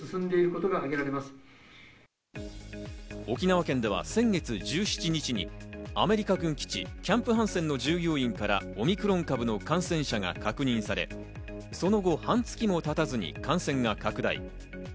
沖縄県では先月１７日にアメリカ軍基地キャンプ・ハンセンの従業員からオミクロン株の感染者が確認され、その後、半月もたたずに感染が拡大。